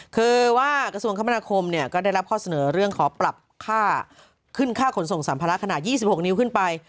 คือว่ากระทรวงคมนาคมเนี่ยก็ได้รับข้อเสนอเรื่องขอปรับค่าขึ้นค่าขนส่งสัมภาระขนาด๒๖นิ้วขึ้นไป